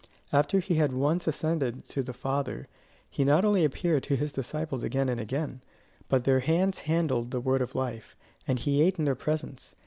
After he had once ascended to the Father, he not only appeared to his disciples again and again, but their hands handled the word of life, and he ate in their presence.